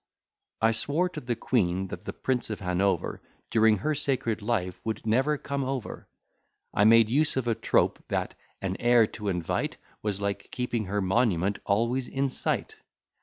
_ I swore to the queen, that the Prince of Hanover During her sacred life would never come over: I made use of a trope; that "an heir to invite, Was like keeping her monument always in sight."